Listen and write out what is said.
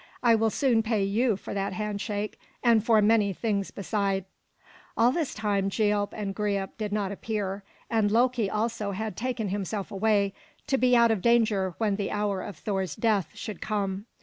I will soon pay you for that handshake, and for many things beside." All this time Gialp and Greip did not appear, and Loki also had taken himself away, to be out of danger when the hour of Thor's death should come.